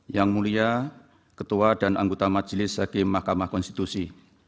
yang mulia ketua dan anggota majelis hakim mahkamah konstitusi